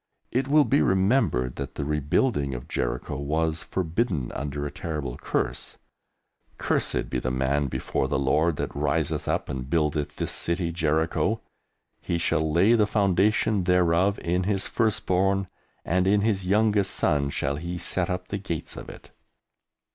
It will be remembered that the rebuilding of Jericho was forbidden under a terrible curse, "Cursed be the man before the Lord that riseth up and buildeth this city Jericho; he shall lay the foundation thereof in his firstborn, and in his youngest son shall he set up the gates of it."